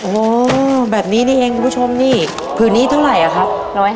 โอ้โหแบบนี้นี่เองคุณผู้ชมนี่ผืนนี้เท่าไหร่อะครับ